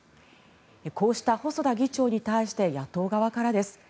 こうした細田議長に対して野党側からです。